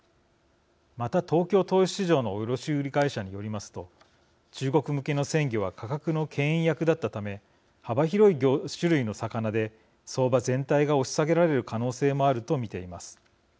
また東京豊洲市場の卸売会社によりますと中国向けの鮮魚は価格のけん引役だったため幅広い種類の魚で相場全体が押し下げられる可能性もあると見ています。